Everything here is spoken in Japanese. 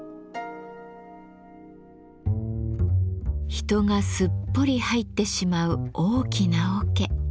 人がすっぽり入ってしまう大きな桶。